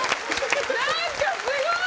何かすごい！